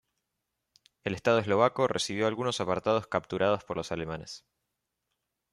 El Estado Eslovaco recibió algunos aparatos capturados por los alemanes.